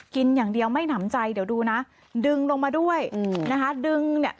กินอย่างเดียวไม่หนำใจเดี๋ยวดูนะดึงลงมาด้วยนะคะดึงเนี่ย